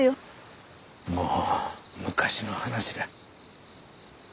もう昔の話だ。